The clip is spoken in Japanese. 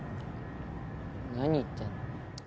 何言ってんの？